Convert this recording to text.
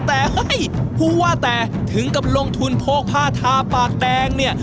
แต่เฮ้ยผู้ว่าแต่ถึงกับลงทุนโพกผ้าทาปากแดงเนี่ย